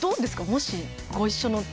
もし。